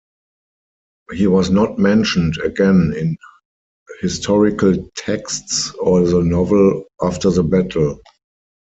He was not mentioned again in historical texts or the novel after the battle.